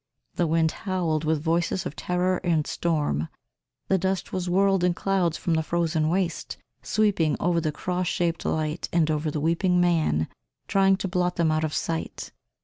The wind howled with voices of terror and storm; the dust was whirled in clouds from the frozen waste, sweeping over the cross shaped light and over the weeping man, trying to blot them out of sight.